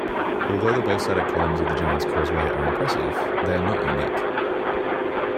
Although the basaltic columns of the Giant's Causeway are impressive, they are not unique.